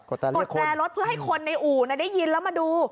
กดแรร์รถเพื่อให้คนในอู่ได้ยินแล้วมาดู